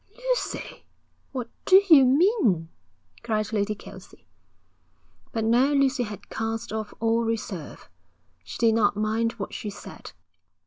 'Lucy, what do you mean?' cried Lady Kelsey. But now Lucy had cast off all reserve. She did not mind what she said.